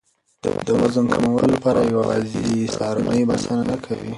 د وزن کمولو لپاره یوازې سهارنۍ بسنه نه کوي.